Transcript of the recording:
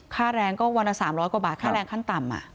ค่าแรงก็วันละ๓๐๐กว่าบาทค่าแรงขั้นต่ำ